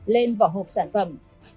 lên vỏ hộp sản phẩm